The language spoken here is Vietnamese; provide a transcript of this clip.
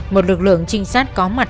một lực lượng trinh sát có mặt